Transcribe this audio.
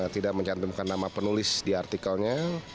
tidak mencantumkan nama penulis di artikelnya